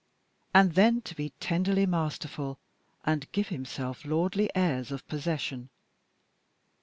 And then to be tenderly masterful and give himself lordly airs of possession.